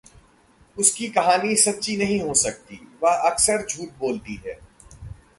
उसकी कहानी सच्ची नहीं हो सकती। वह अक्सर झूठ बोलती है।